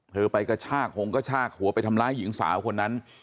ไปกระชากหงกระชากหัวไปทำร้ายหญิงสาวคนนั้น